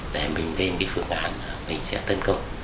để mình lên cái phương án mình sẽ tấn công